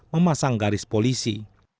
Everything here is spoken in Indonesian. memasang garis polisi